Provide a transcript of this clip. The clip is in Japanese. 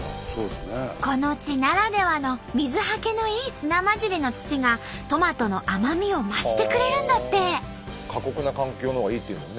この地ならではの水はけのいい砂混じりの土がトマトの甘みを増してくれるんだって。